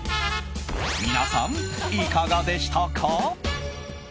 皆さん、いかがでしたか？